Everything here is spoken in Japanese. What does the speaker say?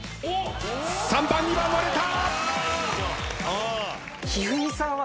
３番２番割れた！